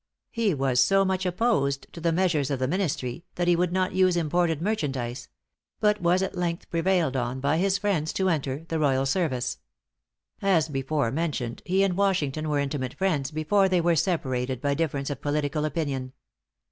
He was so much opposed to the measures of the ministry, that he would not use imported merchandise; but was at length prevailed on by his friends to enter the royal service. As before mentioned, he and Washington were intimate friends before they were separated by difference of political opinion.